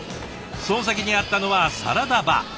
その先にあったのはサラダバー。